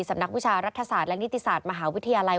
นักวิชารัฐศาสตร์และนิติศาสตร์มหาวิทยาลัย